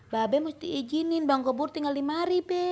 babek mesti izinin bang gopur tinggal di mari be